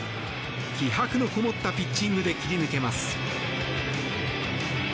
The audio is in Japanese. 気迫のこもったピッチングで切り抜けます。